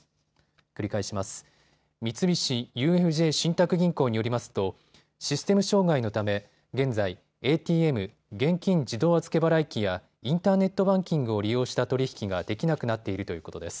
繰り返します。三菱ＵＦＪ信託銀行によりますとシステム障害のため現在、ＡＴＭ・現金自動預け払い機やインターネットバンキングを利用した取り引きができなくなっているということです。